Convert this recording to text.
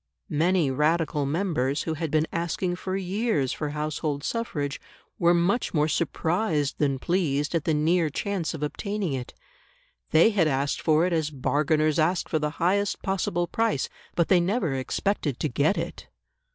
Many Radical members who had been asking for years for household suffrage were much more surprised than pleased at the near chance of obtaining it; they had asked for it as bargainers ask for the highest possible price, but they never expected to get it.